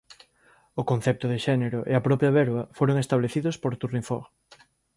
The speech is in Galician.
O concepto de xénero e a propia verba foron establecidos por Tournefort.